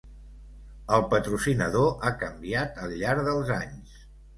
El patrocinador ha canviat al llarg dels anys.